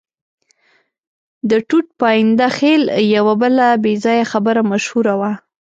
د ټوټ پاینده خېل یوه بله بې ځایه خبره مشهوره وه.